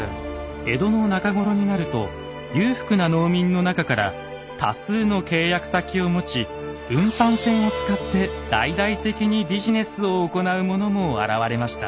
江戸の中頃になると裕福な農民の中から多数の契約先を持ち運搬船を使って大々的にビジネスを行う者も現れました。